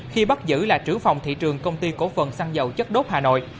khi bắt giữ là trưởng phòng thị trường công ty cổ phần xăng dầu chất đốt hà nội